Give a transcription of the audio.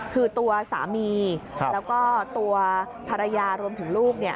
คือตัวสามีแล้วก็ตัวภรรยารวมถึงลูก